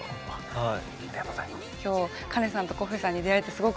はい！